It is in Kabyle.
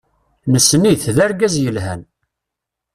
Nessen-it, d argaz yelhan.